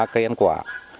cây ăn quả